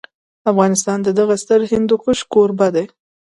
افغانستان د دغه ستر هندوکش کوربه دی.